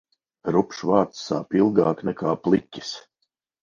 Rupjš vārds sāp ilgāk nekā pliķis.